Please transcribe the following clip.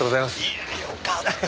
いやよかったよ。